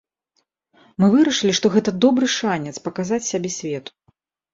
Мы вырашылі, што гэта добры шанец паказаць сябе свету.